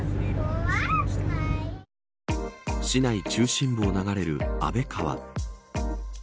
市内中心部を流れる安倍川。